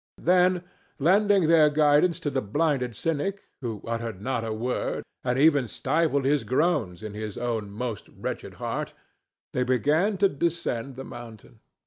Then, lending their guidance to the blinded cynic, who uttered not a word, and even stifled his groans in his own most wretched heart, they began to descend the mountain.